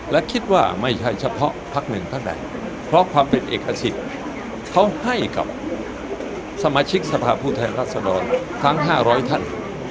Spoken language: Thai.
และคิดว่าไม่ใช่เฉพาะพักหนึ่งท่านใดเพราะความเป็นเอกสิทธิ์เขาให้กับสมาชิกสภาพผู้แทนรัศดรทั้ง๕๐๐ท่าน